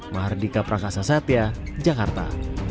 mardika prakasa satya jakarta